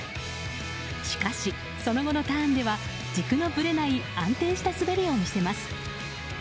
しかし、その後のターンでは軸のぶれない安定した滑りを見せます。